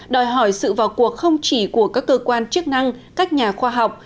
đòi hỏi sự vào cuộc không chỉ của các cơ quan chức năng các nhà khoa học